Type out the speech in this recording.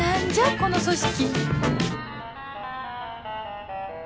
この組織